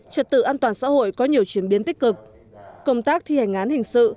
trật tự an toàn xã hội có nhiều chuyển biến tích cực công tác thi hành án hình sự